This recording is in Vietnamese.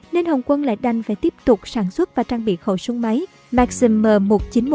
nên hồng quân lại đành phải tiếp tục sản xuất và trang bị khẩu súng máy maxim m một nghìn chín trăm một mươi